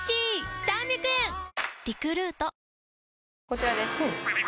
こちらです。